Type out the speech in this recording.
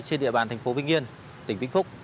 trên địa bàn thành phố vinh yên tỉnh vĩnh phúc